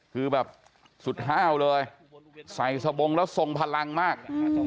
คือแบบสุดเท่าเลยใส่สโบงแล้วส่งผลังมาก